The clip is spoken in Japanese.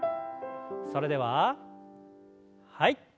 それでははい。